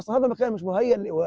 saya menjaga mereka